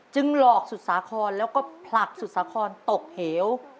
จึงหลอกสุสคลแล้วก็ผลักสุสคลตกเหว